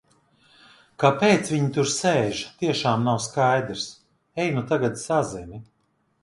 Kāpēc viņi tur sēž, tiešām nav skaidrs. Ej nu tagad sazini.